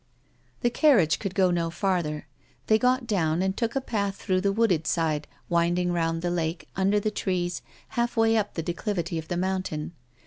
The carriage could go no farther. They got down, and took a path through the wooded side winding round the lake, under the trees, halfway up the declivity of the mountain.